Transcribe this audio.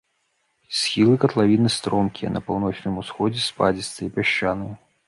Схілы катлавіны стромкія, на паўночным усходзе спадзістыя, пясчаныя.